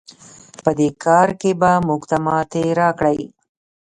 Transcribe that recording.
په دې کار کې به موږ ته ماتې راکړئ.